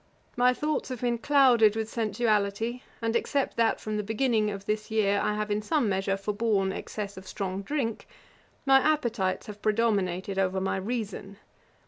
My thoughts have been clouded with sensuality; and, except that from the beginning of this year I have, in some measure, forborne excess of strong drink, my appetites have predominated over my reason.